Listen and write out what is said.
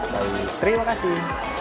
betawi terima kasih